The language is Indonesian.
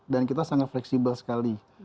dan kita sangat fleksibel sekali